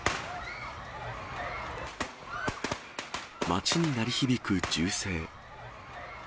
街に鳴り響く銃声。